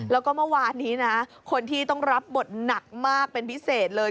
แล้วก็เมื่อวานนี้นะคนที่ต้องรับบทหนักมากเป็นพิเศษเลย